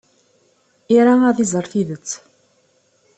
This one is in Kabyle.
Ira ad iẓer tidet.